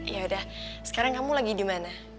yaudah sekarang kamu lagi dimana